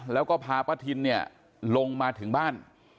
แล้วก็พาปะทินลงมาถึงบ้าน